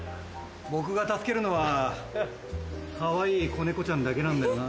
僕が助けるのはかわいい子猫ちゃんだけなんだよな。